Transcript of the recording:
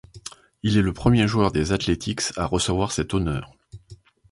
Il est le premier joueur des Athletics à recevoir cet honneur.